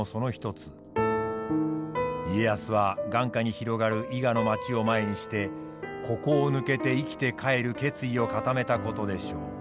家康は眼下に広がる伊賀の町を前にしてここを抜けて生きて帰る決意を固めたことでしょう。